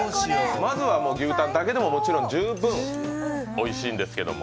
まずは牛たんだけでも十分おいしいんですけど。